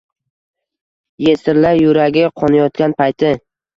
Yesirlar yuragi qonayotgan payti